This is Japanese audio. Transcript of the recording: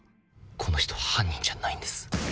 この人は犯人じゃないんです。